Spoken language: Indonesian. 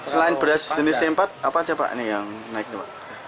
selain beras jenis c empat apa aja pak yang naik itu pak